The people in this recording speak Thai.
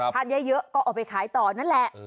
ทานเยอะก็เอาไปขายต่อนั่นแหละ